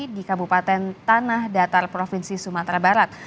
di kabupaten tanah datar provinsi sumatera barat